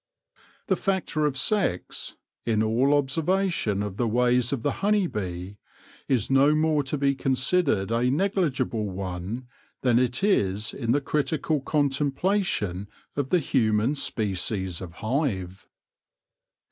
The factor of sex, in all observation of the ways of the honey bee, is no more to be considered a negligible one than it is in the critical contemplation of the human species of hive.